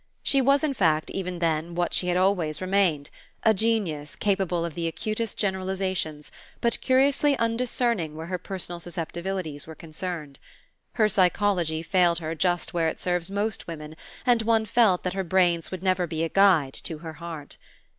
She was in fact even then what she had always remained: a genius capable of the acutest generalizations, but curiously undiscerning where her personal susceptibilities were concerned. Her psychology failed her just where it serves most women and one felt that her brains would never be a guide to her heart.